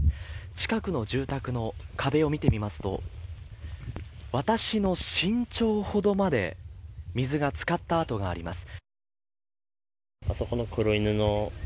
近くの住宅の壁を見てみますと私の身長ほどまで水が漬かった跡があります。